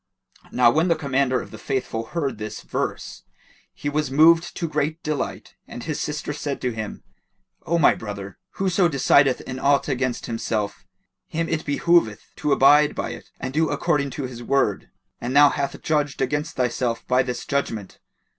Now when the Commander of the Faithful heard this verse, he was moved to great delight and his sister said to him, "O my brother, whoso decideth in aught against himself, him it behoveth to abide by it and do according to his word; and thou hast judged against thyself by this judgement."